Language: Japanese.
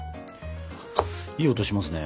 いい音しますね。